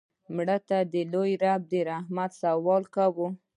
مړه ته د لوی رب د رحمت سوال کوو